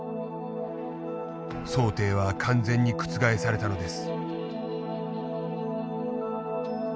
想定は完全に覆されたのです。